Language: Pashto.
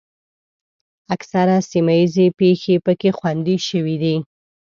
اکثره سیمه ییزې پېښې پکې خوندي شوې دي.